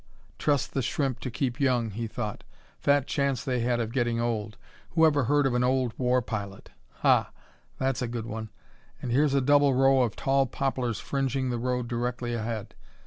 Trust The Shrimp to keep young, he thought. Fat chance they had of getting old. Who ever heard of an old war pilot? Ha! That's a good one! And here's a double row of tall poplars fringing the road directly ahead.